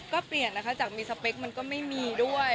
ก็เปลี่ยนนะคะจากมีสเปคมันก็ไม่มีด้วย